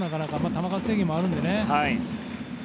球数制限もあるのでね。